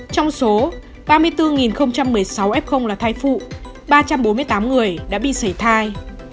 trong số ba mươi bốn một mươi sáu f là thai phụ ba trăm bốn mươi tám người đã bị xảy thai